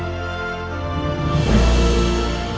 aku akan selalu mencintai kamu